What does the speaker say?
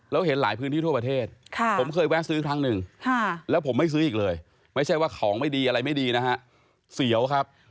แล้วเห็นหลายพื้นที่ทั่วประเทศผมเคยแวะซื้อครั้งหนึ่งแล้วผมไม่ซื้ออีกเลยไม่ใช่ว่าของไม่ดีอะไรไม่ดีนะฮะเสียวครับ